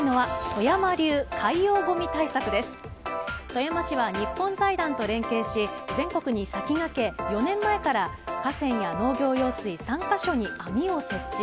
富山市は日本財団と連携し全国に先駆け４年前から河川や農業用水３か所に網を設置。